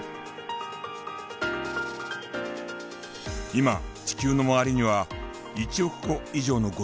今地球の周りには１億個以上のゴミが漂っている。